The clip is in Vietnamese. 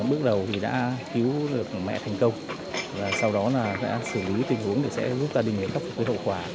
bước đầu thì đã cứu được mẹ thành công sau đó là đã xử lý tình huống để giúp gia đình khắc phục cái hậu quả